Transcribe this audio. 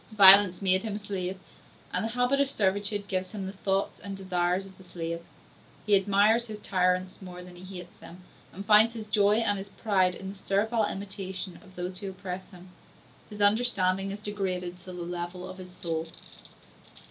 Violence made him a slave, and the habit of servitude gives him the thoughts and desires of a slave; he admires his tyrants more than he hates them, and finds his joy and his pride in the servile imitation of those who oppress him: his understanding is degraded to the level of his soul.